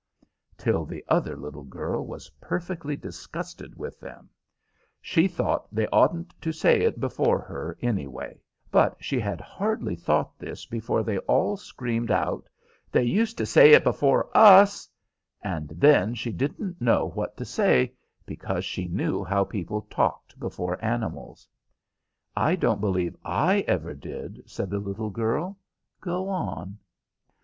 till the other little girl was perfectly disgusted with them; she thought they oughtn't to say it before her, anyway; but she had hardly thought this before they all screamed out, "They used to say it before us," and then she didn't know what to say, because she knew how people talked before animals. "I don't believe I ever did," said the little girl. "Go on."